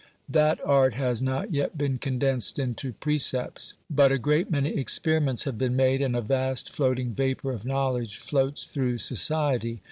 That art has not yet been condensed into precepts, but a great many experiments have been made, and a vast floating vapour of knowledge floats through society.